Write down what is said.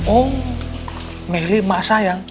oh meli emak sayang